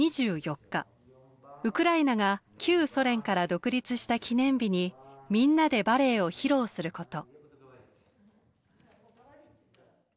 ウクライナが旧ソ連から独立した記念日にみんなでバレエを披露すること。